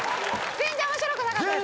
全然面白くなかったです。